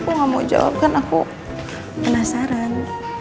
aku gak mau jawab kan aku penasaran